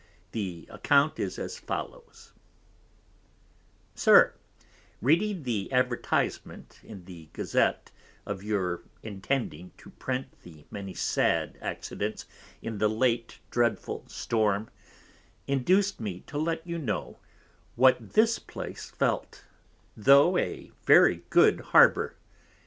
The Account is as follows_, SIR, Reading the Advertisement in the Gazette, of your intending to Print the many sad Accidents in the late dreadful Storm, induced me to let you know what this place felt, tho a very good Harbour.